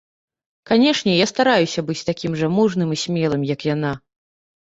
Канечне, я стараюся быць такім жа мужным і смелым, як яна.